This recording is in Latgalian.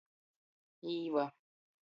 Īva.